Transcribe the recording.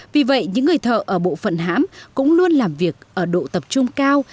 vì vậy những người thợ ở bộ phận hãm cũng luôn làm việc ở độ tập trung cao